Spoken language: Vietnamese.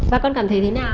và con cảm thấy thế nào